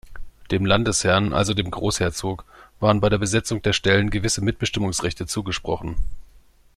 Dem Landesherren, also dem Großherzog, waren bei der Besetzung der Stellen gewisse Mitbestimmungsrechte zugesprochen.